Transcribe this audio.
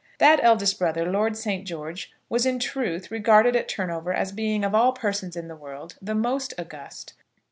That eldest brother, Lord Saint George, was in truth regarded at Turnover as being, of all persons in the world, the most august.